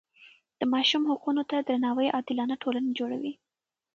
د ماشوم حقونو ته درناوی عادلانه ټولنه جوړوي.